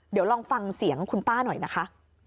เดี๋ยวลองฟังเสียงคุณป้าหน่อยนะคะ